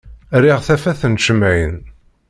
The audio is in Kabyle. Riɣ tafat n tcemmaɛin.